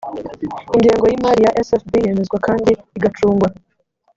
ingengo y imari ya sfb yemezwa kandi igacungwa